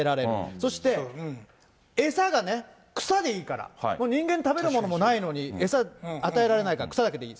そして餌がね、草でいいから、人間食べるものもないのに、餌与えられないから、草だけでいい。